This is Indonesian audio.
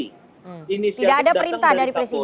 tidak ada perintah dari presiden